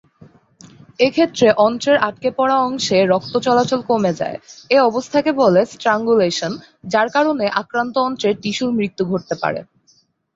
এ ক্ষেত্রে অন্ত্রের আটকে পড়া অংশে রক্ত চলাচল কমে যায়-এ অবস্থাকে বলে স্ট্রাংগুলেশন-যার কারণে আক্রান্ত অন্ত্রের টিস্যুর মৃত্যু ঘটতে পারে।